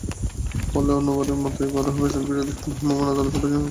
ফলে অন্যবারের মতো এবারও ভেজালবিরোধী ভ্রাম্যমাণ আদালতের অভিযানের প্রত্যাশা করছেন ক্রেতারা।